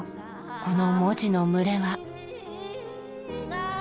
この文字の群れは。